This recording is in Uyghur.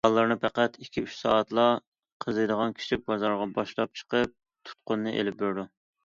بالىلىرىنى پەقەت ئىككى- ئۈچ سائەتلا قىزىيدىغان كىچىك بازارغا باشلاپ چىقىپ تۇتقىنىنى ئېلىپ بېرىدۇ.